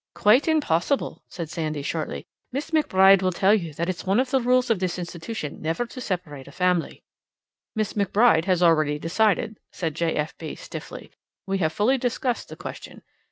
"Quite impossible," said Sandy, shortly. "Miss McBride will tell you that it's one of the rules of this institution never to separate a family." "Miss McBride has already decided," said J. F. B., stiffly. "We have fully discussed the question."